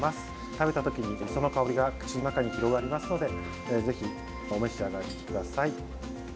食べた時に磯の香りが口の中に広がりますのでぜひお召し上がりください。